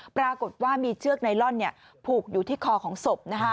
ปรากฏว่ามีเชือกไนลอนผูกอยู่ที่คอของศพ